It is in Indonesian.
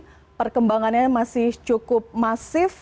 jadi perkembangannya masih cukup masif